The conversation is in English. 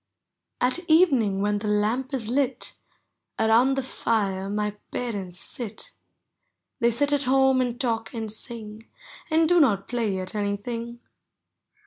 At evening when the lamp is lit. Around the lire my parents sit; They sit at home and talk and sing. And do not play at anything.